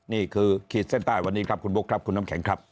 ขีดเส้นใต้วันนี้ครับคุณบุ๊คครับคุณน้ำแข็งครับ